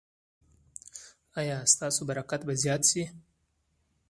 ایا ستاسو برکت به زیات شي؟